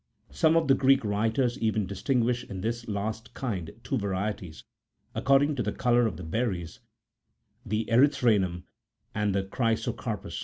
Some of the Greek writers even distinguish in this last kind two varieties, according to the colour of the berries, the erythranum14 and the chrysocarpus.